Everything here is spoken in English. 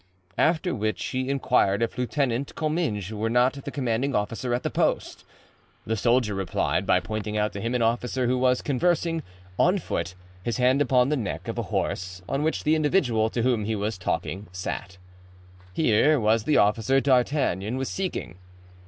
After which he inquired if Lieutenant Comminges were not the commanding officer at the outpost. The soldier replied by pointing out to him an officer who was conversing, on foot, his hand upon the neck of a horse on which the individual to whom he was talking sat. Here was the officer D'Artagnan was seeking.